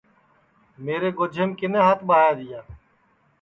میرے گوجیم کِنے ہات ٻایا تیا